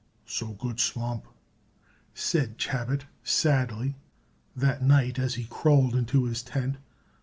"So good swamp," said Chabot sadly that night as he crawled into his tent.